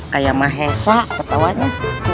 kayak mahesa ketawanya